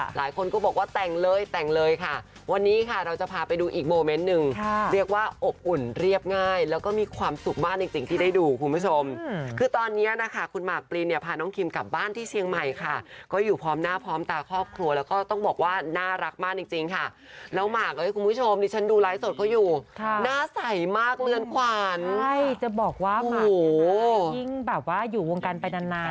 หลายคนก็บอกว่าแต่งเลยแต่งเลยค่ะวันนี้ค่ะเราจะพาไปดูอีกโมเมนต์หนึ่งเรียกว่าอบอุ่นเรียบง่ายแล้วก็มีความสุขมากจริงที่ได้ดูคุณผู้ชมคือตอนนี้นะคะคุณหมากปรีนเนี่ยพาน้องคิมกลับบ้านที่เชียงใหม่ค่ะก็อยู่พร้อมหน้าพร้อมตาครอบครัวแล้วก็ต้องบอกว่าน่ารักมากจริงค่ะแล้วหมากคุณผู้ชมดิฉันดูไ